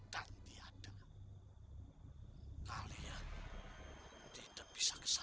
kami harus ketemu dengan mereka mbah